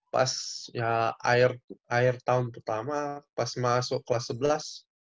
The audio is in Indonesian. pas akhir tahun pertama pas masuk kelas sebelas